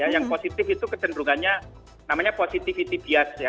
yang positif itu kecenderungannya namanya positivity bias ya